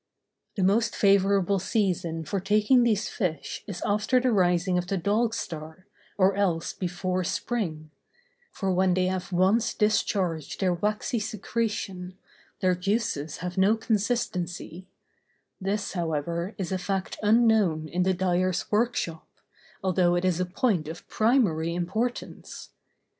The most favorable season for taking these fish is after the rising of the Dog star, or else before spring; for when they have once discharged their waxy secretion, their juices have no consistency: this, however, is a fact unknown in the dyers' workshops, although it is a point of primary importance.